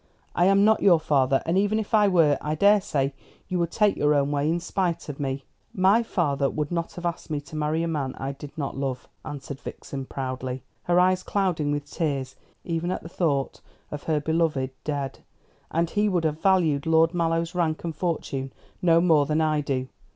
I am not your father, and even if I were, I daresay you would take your own way in spite of me." "My father would not have asked me to marry a man I did not love," answered Vixen proudly, her eyes clouding with tears even at the thought of her beloved dead; "and he would have valued Lord Mallow's rank and fortune no more than I do.